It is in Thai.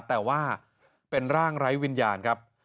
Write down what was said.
แต่ว่าเป็นร่างไร้วิญญาณครับ